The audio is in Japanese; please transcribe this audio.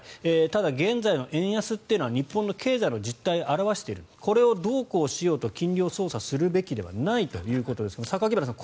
ただ、現在の円安というのは日本経済の実態を表しているこれをどうこうしようと金利を操作するべきではないということですが榊原さん